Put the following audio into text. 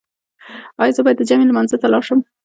ایا زه باید د جمعې لمانځه ته لاړ شم؟